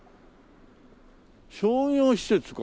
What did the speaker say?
商業施設か。